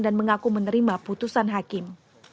dan mengaku menerima putusan hakim